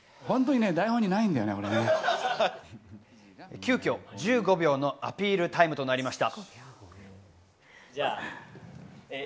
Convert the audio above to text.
急きょ、１５秒のアピールタイムとなりました。